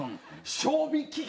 「賞味期限」！